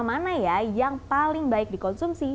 mana ya yang paling baik dikonsumsi